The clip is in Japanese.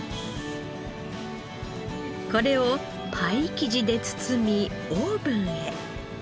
これをパイ生地で包みオーブンへ。